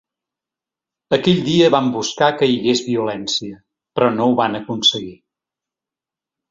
Aquell dia van buscar que hi hagués violència, però no ho van aconseguir.